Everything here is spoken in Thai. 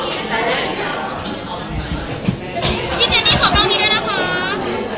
ที่เจนนี่ของกล้องนี้นะคะ